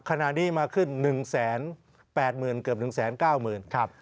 ขณะนี้มาขึ้น๑๘๐๐๐เกือบ๑๙๐๐๐บาท